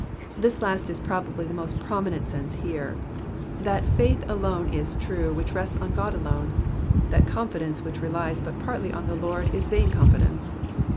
The last is probably the most prominent sense here. That faith alone is true which rests on God alone, that confidence which relies but partly on the Lord is vain confidence.